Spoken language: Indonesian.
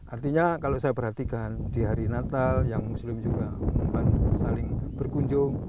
artinya kalau saya perhatikan di hari natal yang muslim juga saling berkunjung